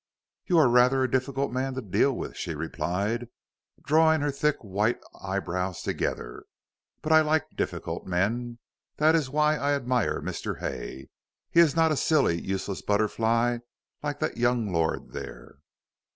"You are rather a difficult man to deal with," she replied, drawing her thick white eyebrows together. "But I like difficult men. That is why I admire Mr. Hay: he is not a silly, useless butterfly like that young lord there."